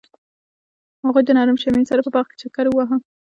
هغوی د نرم شمیم سره په باغ کې چکر وواهه.